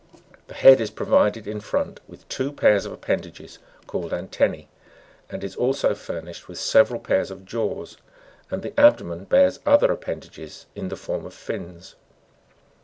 The head is pro vided in front with two pairs of appendages, called antennse ( >f,fig. 61), and is also furnish ed with several pairs of jaws, and the abdomen bears other appendages in form of fins.